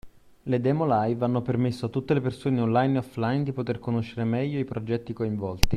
Le demo live hanno permesso a tutte le persone Online e Offline di poter conoscere meglio i progetti coinvolti